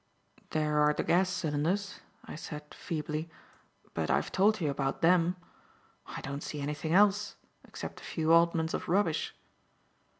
"There are the gas cylinders," I said, feebly; "but I have told you about them. I don't see anything else excepting a few oddments of rubbish."